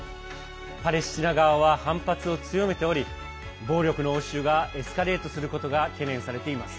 パレスチナ側は反発を強めており暴力の応酬がエスカレートすることが懸念されています。